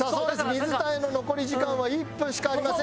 水田への残り時間は１分しかありません。